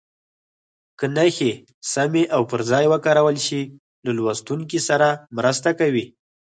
که نښې سمې او پر ځای وکارول شي له لوستونکي سره مرسته کوي.